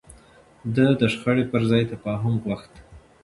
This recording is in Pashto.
ده د شخړې پر ځای تفاهم غوښت.